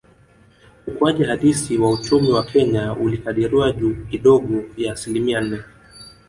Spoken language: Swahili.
Ukuaji halisi wa uchumi wa Kenya ulikadiriwa juu kidogo ya asilimia nne